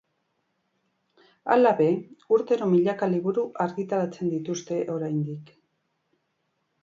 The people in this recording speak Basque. Hala ere, urtero milaka liburu argitaratzen dituzte oraindik.